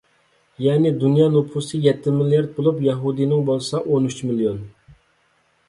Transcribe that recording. يەنى، دۇنيا نوپۇسى يەتتە مىليارد بولۇپ، يەھۇدىينىڭ بولسا ئون ئۈچ مىليون.